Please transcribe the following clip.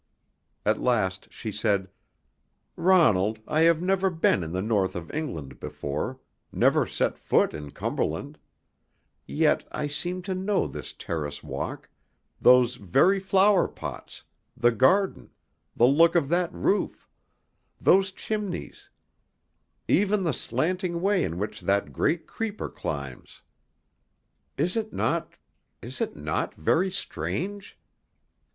At last she said: "Ronald, I have never been in the North of England before, never set foot in Cumberland; yet I seem to know this terrace walk, those very flower pots, the garden, the look of that roof, those chimneys, even the slanting way in which that great creeper climbs. Is it not is it not very strange?"